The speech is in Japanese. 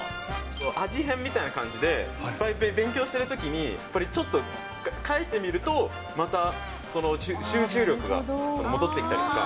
味変みたいな感じで、いっぱい勉強してるときに、これ、ちょっと変えてみると、また集中力が戻ってきたりとか。